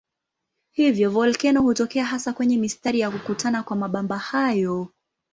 Hivyo volkeno hutokea hasa kwenye mistari ya kukutana kwa mabamba hayo.